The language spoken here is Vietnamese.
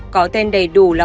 có tên đầy đủ là